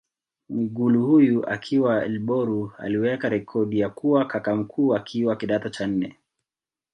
Mwigulu huyu akiwa Ilboru aliweka rekodi ya kuwa kaka mkuu akiwa kidato cha nne